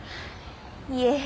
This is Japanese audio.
いえ